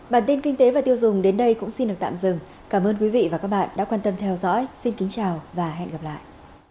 bản tin kinh tế và tiêu dùng đến đây cũng xin được tạm dừng cảm ơn quý vị và các bạn đã quan tâm theo dõi xin kính chào và hẹn gặp lại